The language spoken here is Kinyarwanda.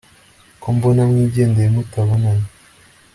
ko mbona mwigendeye mutabonanye